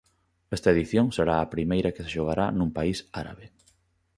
Esta edición será a primeira que se xogará nun país árabe.